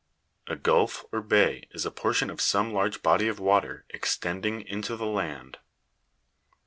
A gulf or bay is a portion of some large body of water extending into the land.